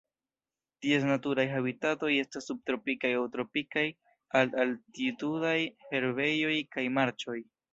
Ties naturaj habitatoj estas subtropikaj aŭ tropikaj alt-altitudaj herbejoj kaj marĉoj.